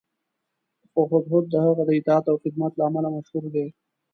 خو هدهد د هغه د اطاعت او خدمت له امله مشهور دی.